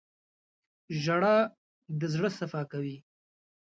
• ژړا د زړه صفا کوي.